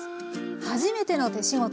「はじめての手仕事」。